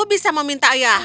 aku bisa meminta ayahku mungkin